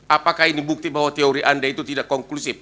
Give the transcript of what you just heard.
apakah ini bukti bahwa teori anda itu tidak konklusif